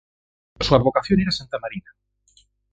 Su advocación era Santa Marina.